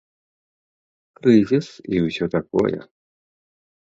Крызіс і ўсё такое.